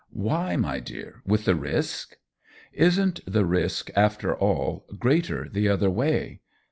" Why, my dear — with the risk !"" Isn't the risk, after all, greater the other way